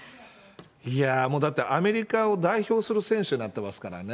いや、もうだってアメリカを代表する選手になってますからね。